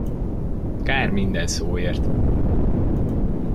Kár minden szóért!